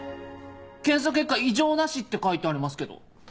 検査結果「異常なし」って書いてありますけど。